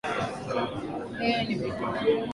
Yeye ni bibi yangu